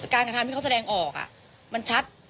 การกระทำให้เขาแสดงออกมันชัด